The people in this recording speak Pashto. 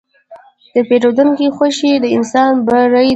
د پیرودونکي خوښي د انسان بری ده.